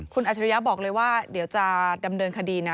คุณอัจฉริยะบอกเลยว่าเดี๋ยวจะดำเนินคดีนะ